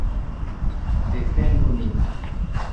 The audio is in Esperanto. Defendu nin!